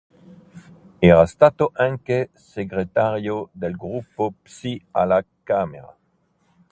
Era stato anche segretario del gruppo Psi alla Camera.